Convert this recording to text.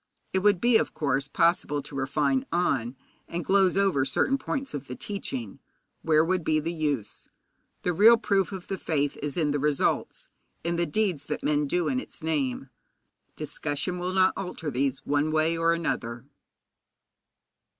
It would be, of course, possible to refine on and gloze over certain points of the teaching. Where would be the use? The real proof of the faith is in the results, in the deeds that men do in its name. Discussion will not alter these one way or another.